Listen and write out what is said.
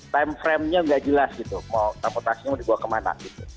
time frame nya nggak jelas gitu mau transportasinya mau dibawa kemana gitu